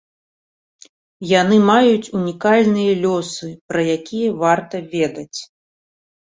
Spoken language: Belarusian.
Яны маюць унікальныя лёсы, пра якія варта ведаць.